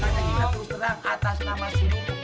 maka kita terus terang atas nama si nuh